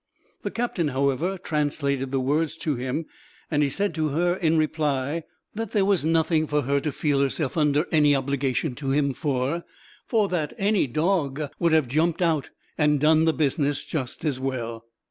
The captain, however, translated the words to him; and he said to her, in reply, that there was nothing for her to feel herself under any obligation to him for, for that any dog would have jumped out and done the business, just as well.